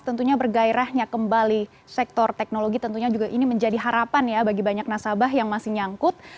tentunya bergairahnya kembali sektor teknologi tentunya juga ini menjadi harapan ya bagi banyak nasabah yang masih nyangkut